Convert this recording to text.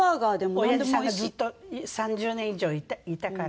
おやじさんがずっと３０年以上いたから。